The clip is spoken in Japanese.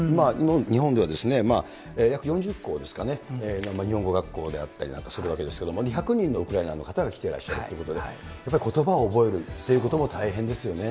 日本では約４０校ですかね、日本学校であったりするわけですけども、１００人のウクライナの方が来ていらっしゃるということで、やっぱりことばを覚えるということがそういうことも大変ですよね。